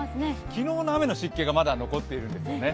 昨日の雨の湿気がまだ残っているんですね。